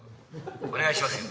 お願いしますよ。